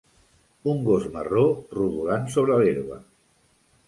Un gos marró rodolant sobre l'herba.